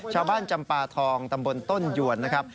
ชาวบ้านจำปาทองตำบลต้นหยวนนะครับ